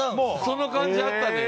その感じあったね。